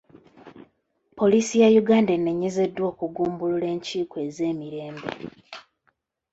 Poliisi ya Uganda enenyezeddwa okugumbulula enkiiko ez'emirembe.